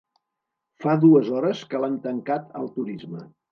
Fa dues hores que l'han tancat al turisme.